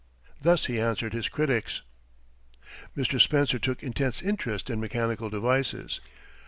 Thus he answered his critics. Mr. Spencer took intense interest in mechanical devices.